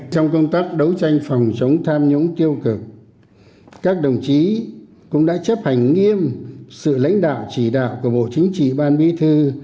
trong công tác đấu tranh phòng chống tham nhũng tiêu cực các đồng chí cũng đã chấp hành nghiêm sự lãnh đạo chỉ đạo của bộ chính trị ban bí thư